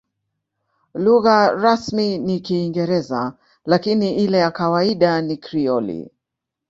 Lugha rasmi ni Kiingereza, lakini ile ya kawaida ni Krioli.